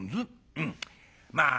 「うんまあ